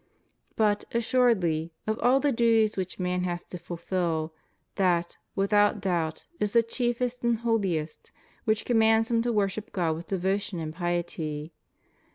But, assuredly, of all the duties which man has to fulfil, that, without doubt, is the chief est and holiest which commands him to worship God with devotion and piety.